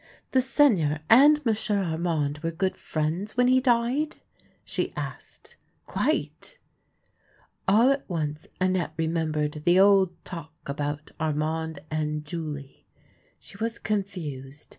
" The Seigneur and M'sieu' Armand were good friends when he died? "' she asked. " Quite." All at once Annette remembered the old talk about Armand and Julie. She was confused.